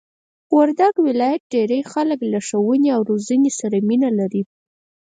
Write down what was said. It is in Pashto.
وردګ ولایت ډېرئ خلک له ښوونې او روزنې سره مینه لري!